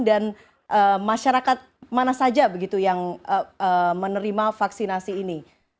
dan masyarakat mana saja begitu yang menerima vaksinasi ini